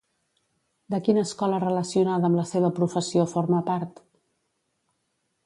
De quina escola relacionada amb la seva professió forma part?